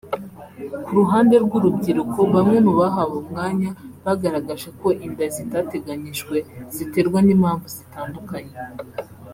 Ku ruhande rw’urubyiruko bamwe mu bahawe umwanya bagaragaje ko inda zitateganyijwe ziterwa n’impamvu zitandukanye